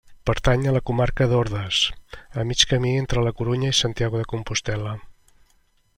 Pertany a la comarca d'Ordes, a mig camí entre La Corunya i Santiago de Compostel·la.